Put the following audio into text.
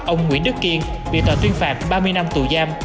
ông nguyễn đức kiên bị tòa tuyên phạt ba mươi năm tù giam